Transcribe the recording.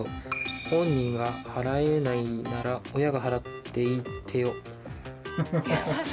「本人が払えないなら親が払っていいってよ」。